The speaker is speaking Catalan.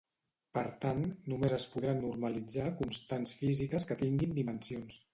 Per tant, només es podran normalitzar constants físiques que tinguin dimensions.